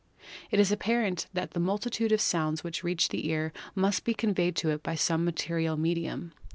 It is apparent that the multitude of sounds which reach the ear must be conveyed to it by some material medium.